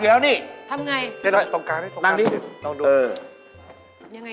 เจ๊น่ารักอยู่แล้วนี่